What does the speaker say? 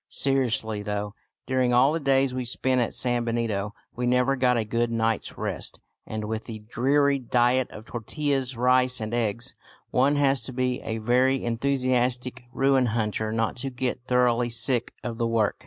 Seriously though, during all the days we spent at San Benito we never got a good night's rest; and with the dreary diet of tortillas, rice, and eggs, one has to be a very enthusiastic ruin hunter not to get thoroughly sick of the work.